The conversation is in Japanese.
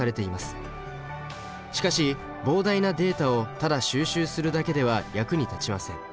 しかし膨大なデータをただ収集するだけでは役に立ちません。